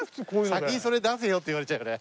先にそれ出せよって言われちゃうので。